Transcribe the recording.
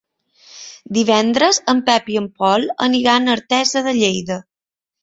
Divendres en Pep i en Pol aniran a Artesa de Lleida.